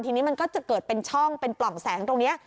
ทีนี้มันก็จะเกิดเป็นช่องเป็นปล่องแสงตรงนี้